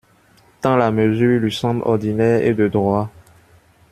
Tant la mesure lui semble ordinaire et de droit!